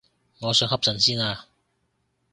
我想瞌陣先啊